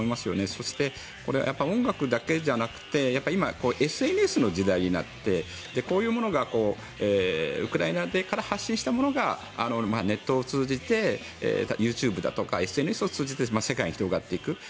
そしてこれは音楽だけじゃなくて今、ＳＮＳの時代になってこういうものがウクライナから発信したものがネットを通じてＹｏｕＴｕｂｅだとかＳＮＳを通じて世界に広がっていく。